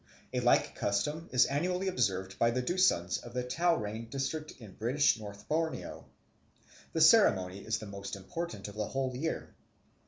A like custom is annually observed by the Dusuns of the Tuaran district in British North Borneo. The ceremony is the most important of the whole year.